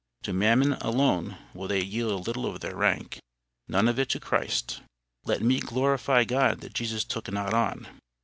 To Mammon alone will they yield a little of their rank—none of it to Christ. Let me glorify God that Jesus took not on.